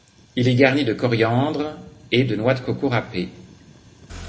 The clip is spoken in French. Il est garni de coriandre et de noix de coco râpée.